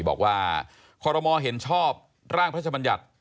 บอกว่าคอรมอเห็นชอบร่างพระชมัญญัติ